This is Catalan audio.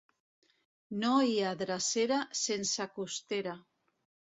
No hi ha drecera, sense costera.